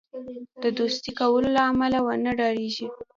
د دوستی کولو له امله ونه ډاریږي.